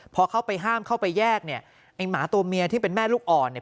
พอเข้าไปห้ามเข้าไปแยกเนี่ยไอ้หมาตัวเมียที่เป็นแม่ลูกอ่อนเนี่ย